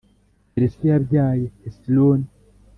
Peresi yabyaye hesironi